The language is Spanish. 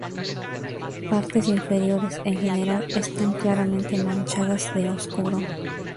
Partes inferiores, en general, están claramente manchadas de oscuro.